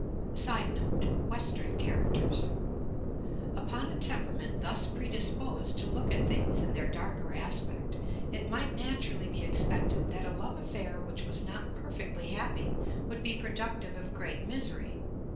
[Sidenote: "Western Characters" p. 126.] Upon a temperament thus predisposed to look at things in their darker aspect, it might naturally be expected that a love affair which was not perfectly happy would be productive of great misery.